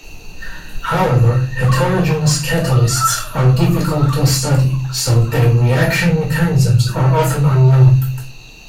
However, heterogeneous catalysts are difficult to study, so their reaction mechanisms are often unknown.